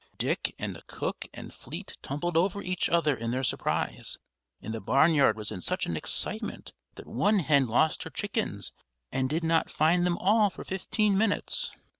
Dick and the cook and Fleet tumbled over each other in their surprise, and the barnyard was in such an excitement that one hen lost her chickens and did not find them all for fifteen minutes.